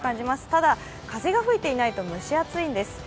ただ、風が吹いていないと蒸し暑いんです。